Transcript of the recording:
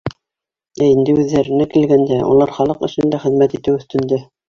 Ә инде үҙҙәренә килгәндә, улар халыҡ өсөн дә хеҙмәт итеү өҫтөндә.